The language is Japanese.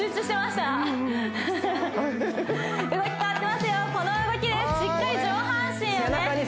しっかり上半身をね